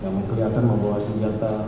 yang kelihatan membawa senjata